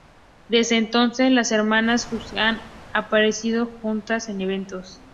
Desde entonces, las hermanas Jung han aparecido juntas en eventos.